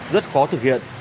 rất khó thực hiện